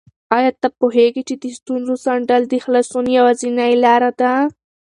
آیا ته پوهېږې چې د ستونزو څنډل د خلاصون یوازینۍ لاره ده؟